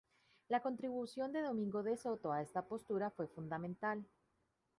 La contribución de Domingo de Soto a esta postura fue fundamental.